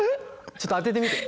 ちょっと当ててみて。